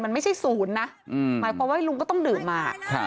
มันไม่ใช่ศูนย์นะหมายความว่าลุงก็ต้องดื่มมา